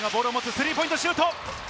スリーポイントシュート！